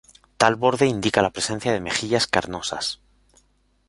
Tal borde indica la presencia de mejillas carnosas.